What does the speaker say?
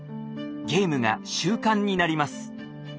ゲームが習慣になります。